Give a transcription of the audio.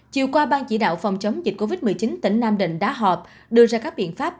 chiều qua ban chỉ đạo phòng chống dịch covid một mươi chín tỉnh nam định đã họp đưa ra các biện pháp